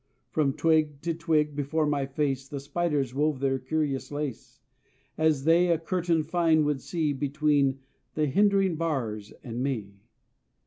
From twig to twig, before my face, The spiders wove their curious lace, As they a curtain fine would see Between the hindering bars and me.